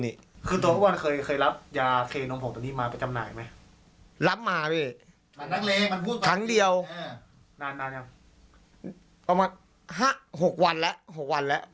ซึ่งย่าเสพติดชนิดนี้มีราคาแพงถึงกิโลกรัมละ๓แสนบาท